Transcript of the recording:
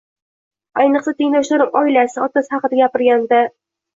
Аyniqsa, tengdoshlarim oilasi, otasi haqida gapirganida.